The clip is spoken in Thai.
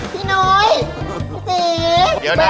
พี่หนุ่ยพี่สี